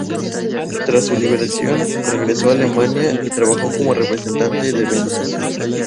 Tras su liberación, regresó a Alemania y trabajó como representante de ventas.